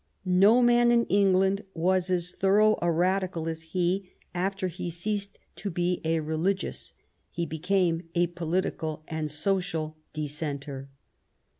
No man in England was as thorough a Radical as he; after he ceased to be a religious, he became a political and social dissenter.